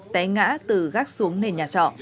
té ngã từ gác xuống nền nhà trọ